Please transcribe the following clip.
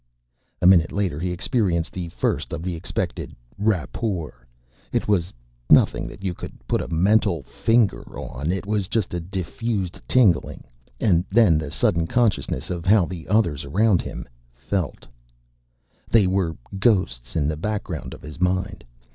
A minute later he experienced the first of the expected rapport. It was nothing that you could put a mental finger on. It was just a diffused tingling and then the sudden consciousness of how the others around him felt. They were ghosts in the background of his mind.